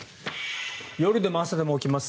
夜でも朝でも起きます。